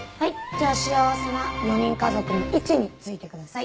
じゃあ幸せな４人家族の位置についてください。